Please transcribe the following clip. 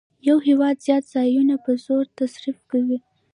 یو هېواد زیات ځایونه په زور تصرف کوي